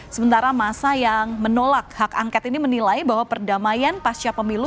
sementara masa yang menolak hak angket ini menilai bahwa perdamaian pasca pemilu